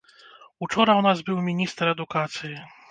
Учора ў нас быў міністр адукацыі.